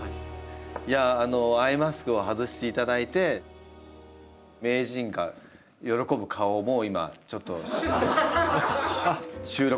アイマスクを外していただいて名人が喜ぶ顔をもう今ちょっと収録したかった。